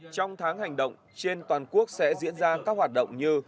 trong tháng hành động trên toàn quốc sẽ diễn ra các hoạt động như